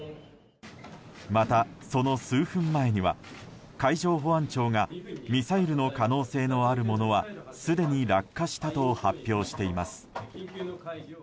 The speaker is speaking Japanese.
また、その数分前には海上保安庁がミサイルの可能性のあるものはすでに落下したと発表しています。